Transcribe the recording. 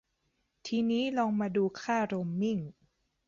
ที่นี้ลองมาดูค่าโรมมิ่ง